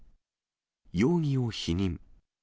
容疑を否認。